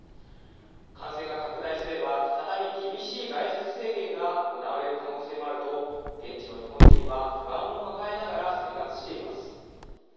感染が拡大すれば再び厳しい外出制限が行われる可能性もあると現地の日本人は不安を抱えながら生活しています。